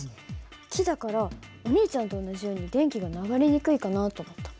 木だからお兄ちゃんと同じように電気が流れにくいかなと思ったの。